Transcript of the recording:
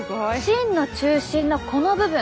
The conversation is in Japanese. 芯の中心のこの部分。